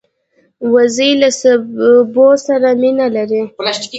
وزې له سبو سره مینه لري